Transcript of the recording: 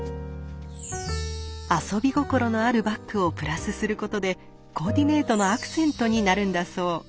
遊び心のあるバッグをプラスすることでコーディネートのアクセントになるんだそう。